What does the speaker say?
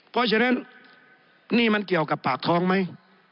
เพราะฉะนั้นนี่มันเกี่ยวกับปากท้องไหม